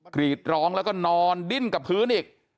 กรีดร้องแล้วก็นอนดิ้นกับพื้นอีก